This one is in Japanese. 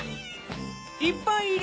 いっぱいいる！